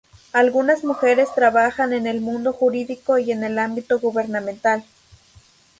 Algunas mujeres trabajan en el mundo jurídico y en el ámbito gubernamental.